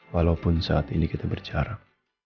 walaupun saat ini kita berjarak